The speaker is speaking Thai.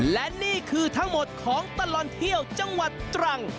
และนี่คือทั้งหมดของตลอดเที่ยวจังหวัดตรัง